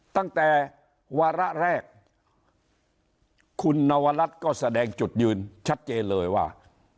ตั้งแต่วาระแรกคุณนวรัฐก็แสดงจุดยืนชัดเจนเลยว่า